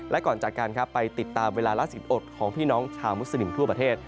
และก่อนจากกันครับไปติดตามเวลาล่าสุดอดของพี่น้องชาวมุสลิมทั่วประเทศ